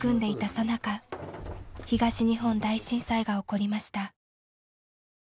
さなか東日本大震災が起こりました。